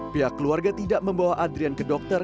pihak keluarga tidak membawa adrian ke dokter